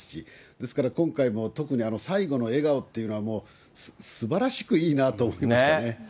ですから、今回も特に最後の笑顔っていうのは、もうすばらしくいいなと思いましたね。